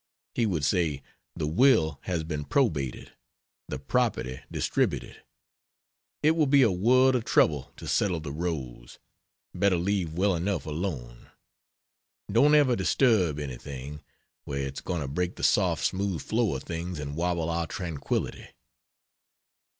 He would say, the will has been probated, the property distributed, it will be a world of trouble to settle the rows better leave well enough alone; don't ever disturb anything, where it's going to break the soft smooth flow of things and wobble our tranquillity.